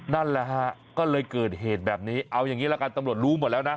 นั่นแหละฮะก็เลยเกิดเหตุแบบนี้เอาอย่างนี้ละกันตำรวจรู้หมดแล้วนะ